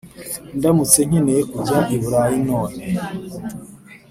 “Ndamutse nkeneye kujya i Burayi none